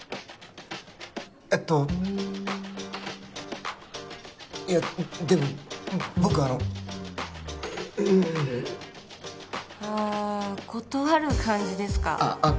えっといやでも僕あのうーんあ断る感じですかあっあっ